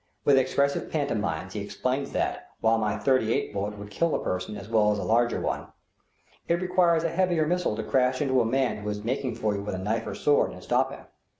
With expressive pantomime he explains that, while my 38 bullet would kill a person as well as a larger one, it requires a heavier missile to crash into a man who is making for you with a knife or sword, and stop him.